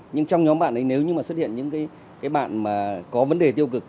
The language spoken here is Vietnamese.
nhưng trong nhóm bạn ấy nếu như mà xuất hiện những cái bạn mà có vấn đề tiêu cực